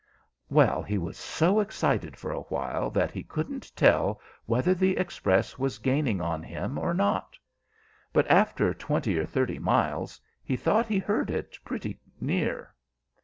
"Well, he was so excited for a while that he couldn't tell whether the Express was gaining on him or not; but after twenty or thirty miles, he thought he heard it pretty near.